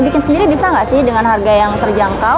bikin sendiri bisa nggak sih dengan harga yang terjangkau